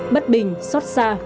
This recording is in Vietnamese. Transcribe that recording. bất bình xót xa